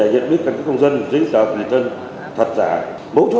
do những thức chưa đầy đủ